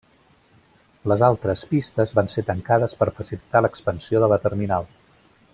Les altres pistes van ser tancades per facilitar l'expansió de la terminal.